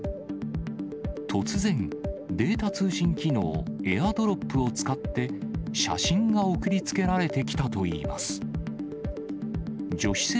突然、データ通信機能、エアドロップを使って、写真が送りつけられてきたといいます。